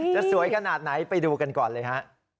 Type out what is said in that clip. จะสวยขนาดไหนไปดูกันก่อนเลยฮะ